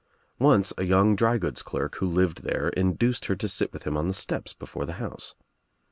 Once a young drygoods clerk who lived there induced her to sit with him on the steps before the house.